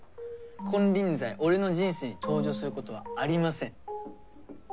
金輪際俺の人生に登場することはありません。